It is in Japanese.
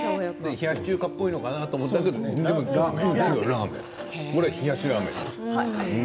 冷やし中華っぽいのかなと思ったけどこれはラーメン、冷やしラーメンです。